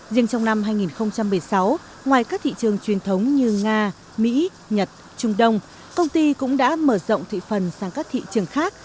riêng trong năm hai nghìn một mươi sáu ngoài các thị trường truyền thống như nga mỹ nhật trung đông công ty cũng đã mở rộng thị phần sang các thị trường khác